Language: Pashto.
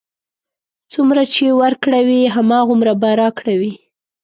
څومره چې ورکړه وي، هماغومره به راکړه وي.